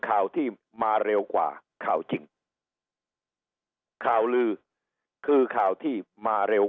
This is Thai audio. ข่าวที่มาเร็วกว่าข่าวจริงข่าวลือคือข่าวที่มาเร็ว